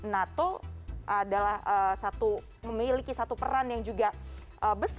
nato adalah satu memiliki satu peran yang juga bergantung kepada kita